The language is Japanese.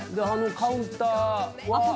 あのカウンターは。